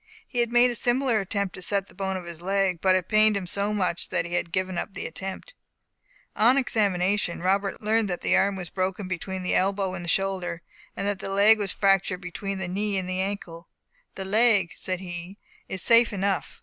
He had made a similar attempt to set the bone of his leg, but it pained him so much that he had given up the attempt. On examination, Robert learned that the arm was broken between the elbow and shoulder, and that the leg was fractured between the knee and ankle. "The leg," said he, "is safe enough.